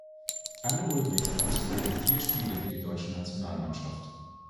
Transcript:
Anne Ulbricht absolvierte vier Spiele für die Deutsche Nationalmannschaft.